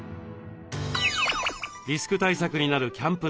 リスク対策になるキャンプ